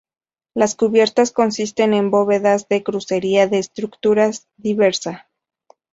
Las cubiertas consisten en bóvedas de crucería de estructura diversa.